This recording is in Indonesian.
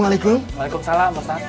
waalaikumsalam pak ustadz